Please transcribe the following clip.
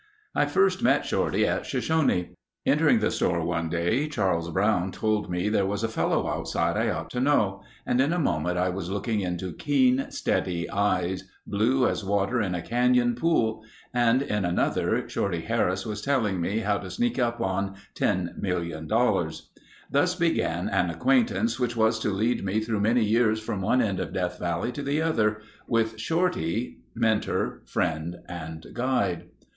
'" I first met Shorty at Shoshone. Entering the store one day, Charles Brown told me there was a fellow outside I ought to know, and in a moment I was looking into keen steady eyes—blue as water in a canyon pool—and in another Shorty Harris was telling me how to sneak up on $10,000,000. Thus began an acquaintance which was to lead me through many years from one end of Death Valley to the other, with Shorty, mentor, friend, and guide.